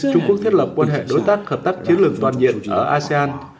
trung quốc thiết lập quan hệ đối tác hợp tác chiến lược toàn diện ở asean